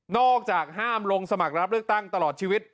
จากห้ามลงสมัครรับเลือกตั้งตลอดชีวิต